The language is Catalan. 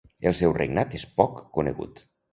El seu regnat és poc conegut.